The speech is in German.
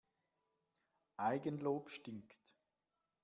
Eigenlob stinkt.